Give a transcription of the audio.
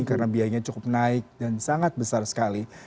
karena biayanya cukup naik dan sangat besar sekali